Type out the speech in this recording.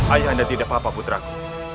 ayah anda tidak apa apa putraku